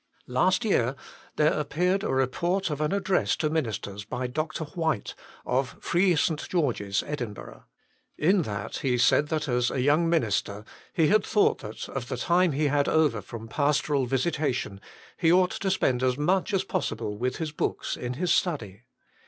Last year there appeared a report of an address to ministers by Dr. Whyte, of Free St. George s, Edinburgh. In that he said that, as a young minister, he had thought that, of the time he had over from pastoral visitation, he ought to spend as much as possible with his books in his study.